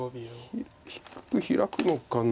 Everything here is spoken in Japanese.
低くヒラくのかな。